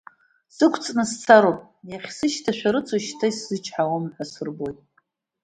Сықәҵны сцароуп, иахьсышьҭашәарыцо шьҭа исзычҳауам ҳәа асырбоит.